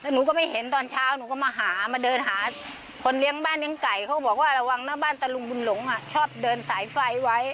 หนูก็ไม่เห็นตอนเช้าหนูก็มาหามาเดินหาคนเลี้ยงบ้านเลี้ยงไก่เขาบอกว่าระวังหน้าบ้านตะลุงบุญหลงชอบเดินสายไฟไว้